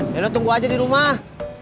ya lu tunggu aja di rumah